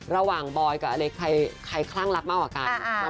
ระหว่างบอยกับอะไรใครคลั่งลับมากกว่ากัน